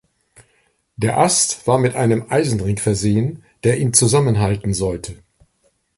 Der Ast war mit einem Eisenring versehen, der ihn zusammenhalten sollte.